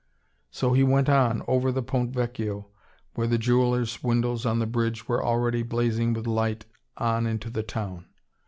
So he went on, over the Ponte Vecchio, where the jeweller's windows on the bridge were already blazing with light, on into the town.